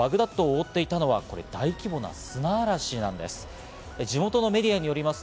覆っていたのはこれ、大規模な砂嵐なんです。